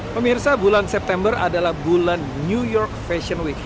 pemirsa bulan september adalah bulan new york fashion week